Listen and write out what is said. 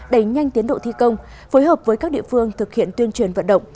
đẩy nhanh tiến độ thi công phối hợp với các địa phương thực hiện tuyên truyền vận động